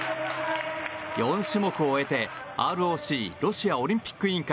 ４種目を終えて、ＲＯＣ・ロシアオリンピック委員会